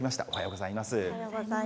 おはようございます。